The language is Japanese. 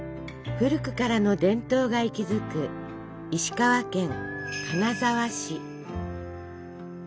古くからの伝統が息づく石川県金沢市。